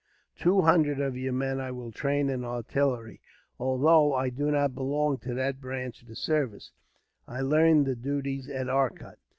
"Two hundred of your men I will train in artillery; although I do not belong to that branch of the service, I learned the duties at Arcot."